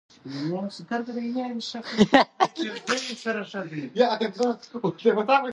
زما او د خلكو مثال داسي دئ لكه څوك چي اور بل كړي